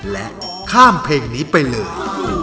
และข้ามเพลงนี้ไปเลย